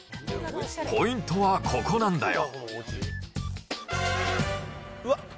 ポイントは、ここなんだよ。